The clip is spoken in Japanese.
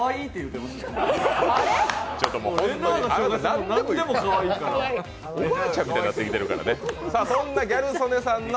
おばあちゃんみたいになってきてるからね。